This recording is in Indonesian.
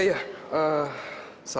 saya harus berteruskan ke rumah